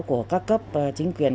của các cấp chính quyền